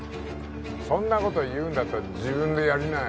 そんなこと言うんだったら自分でやりなよ